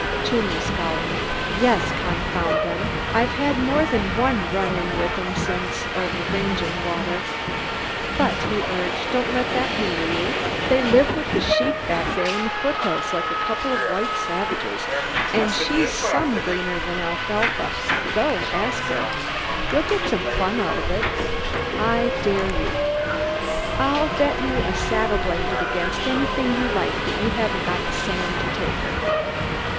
Toomey scowled. "Yes, confound 'em! I've had more than one 'run in' with 'em since over range and water. But," he urged, "don't let that hinder you. They live with their sheep back there in the foothills like a couple of white savages, and she's some greener than alfalfa. Go and ask her. You'll get some fun out of it. I dare you! I'll bet you a saddle blanket against anything you like that you haven't got the sand to take her."